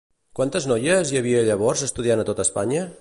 Quantes noies hi havia llavors estudiant a tota Espanya?